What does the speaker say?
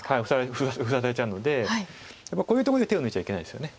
封鎖されちゃうのでやっぱりこういうとこで手を抜いちゃいけないですよね。